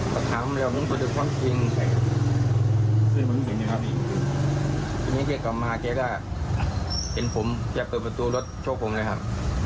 ผมถามมันแล้วมึงพูดถึงความจริงทีนี้แกกลับมาแกก็เห็นผมแกเปิดประตูรถช่วงผมเลยครับ